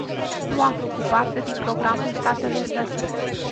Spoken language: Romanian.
Nu a făcut parte din programul statelor membre.